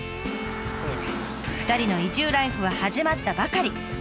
２人の移住ライフは始まったばかり。